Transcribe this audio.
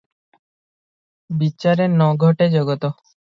ବିଚାରେ ନ ଘଟେ ଜଗତ।